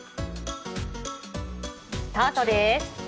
スタートです。